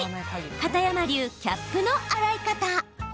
片山流キャップの洗い方。